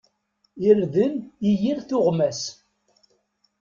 Irden i yir tuɣmas.